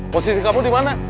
posisi kamu dimana